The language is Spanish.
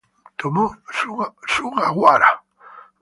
Tomo Sugawara